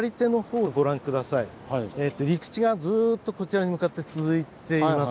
陸地がずっとこちらに向かって続いています。